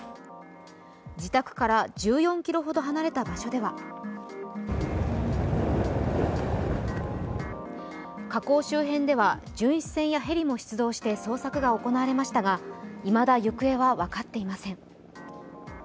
自宅から１４ｋｍほど離れた場所では河口周辺では巡視船やヘリも出動して捜索が行われましたがいまだ行方は分かっていません。